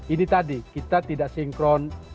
ini tadi kita tidak sinkron